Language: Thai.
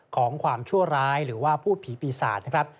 ของความชั่วร้ายหรือว่าพูดผีปีศาจนะครับ